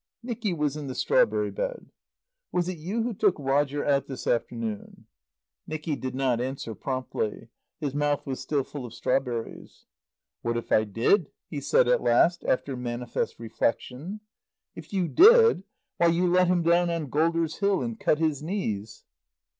Nicky was in the strawberry bed. "Was it you who took Roger out this afternoon?" Nicky did not answer promptly. His mouth was still full of strawberries. "What if I did?" he said at last, after manifest reflection. "If you did? Why, you let him down on Golders Hill and cut his knees."